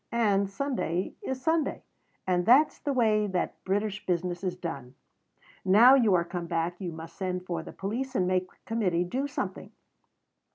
And Sunday is Sunday. And that's the way that British business is done. Now you are come back, you must send for the police and make the Committee do something.